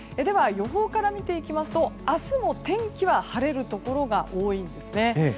予報から見ていきますと明日は天気は晴れるところが多いです。